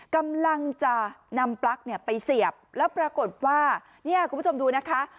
กำลังจะนำปลั๊กเนี่ยไปเสียบแล้วปรากฏว่าเนี่ยคุณผู้ชมดูนะคะ